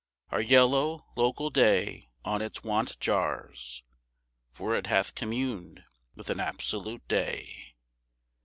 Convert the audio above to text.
Our yellow, local day on its wont jars, For it hath communed with an absolute day.